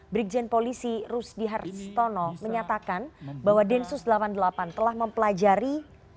brigjen polisi rusdi harstono menyatakan bahwa densus delapan puluh delapan telah mempelajari